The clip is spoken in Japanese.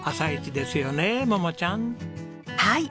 はい。